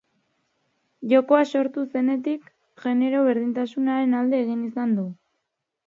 Jokoa sortu zenetik genero berdintasunaren alde egin izan du.